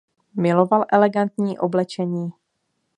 Miloval elegantní oblečení.